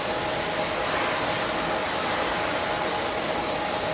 ต้องเติมเนี่ย